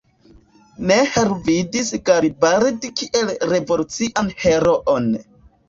Nehru vidis Garibaldi kiel revolucian heroon.